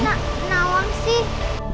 namaku n nawang sih